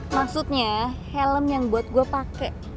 maksudnya helm yang buat gue pakai